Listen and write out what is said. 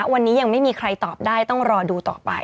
วันนี้ยังไม่มีใครตอบได้ต้องรอดูต่อไป